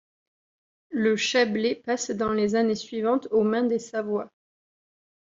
Le Chablais passe dans les années suivantes aux mains des Savoie.